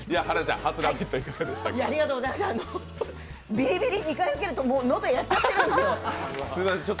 ビリビリ２回、受けたんで喉、やっちゃったんですよ。